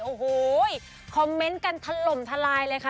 โอ้โหคอมเมนต์กันถล่มทลายเลยค่ะ